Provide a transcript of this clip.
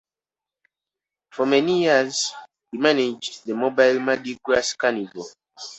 For many years, he managed the Mobile Mardi Gras Carnival.